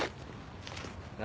何？